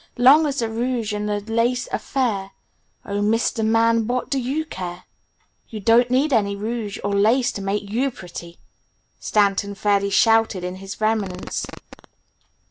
Long as the rouge and the lace are fair, Oh, Mr. Man, what do you care?" "You don't need any rouge or lace to make you pretty!" Stanton fairly shouted in his vehemence.